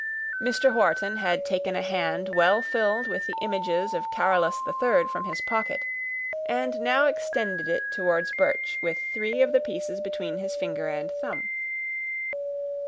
Mr. Wharton had taken a hand well filled with the images of Carolus III from his pocket, and now extended it towards Birch with three of the pieces between his finger and thumb.